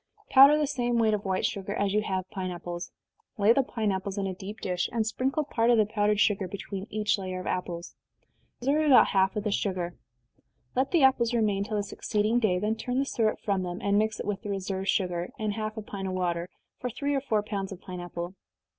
Powder the same weight of white sugar as you have pine apples lay the pine apples in a deep dish, and sprinkle part of the powdered sugar between each layer of apples. Reserve about half of the sugar. Let the apples remain till the succeeding day then turn the syrup from them, and mix it with the reserved sugar, and half a pint of water, for three or four pounds of pine apple.